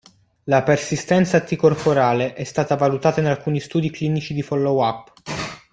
La persistenza anticorpale è stata valutata in alcuni studi clinici di follow-up.